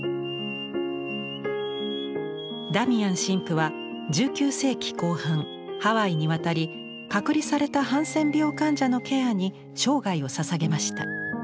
ダミアン神父は１９世紀後半ハワイに渡り隔離されたハンセン病患者のケアに生涯をささげました。